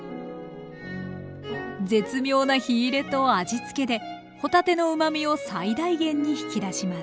絶妙な火入れと味付けで帆立てのうまみを最大限に引き出します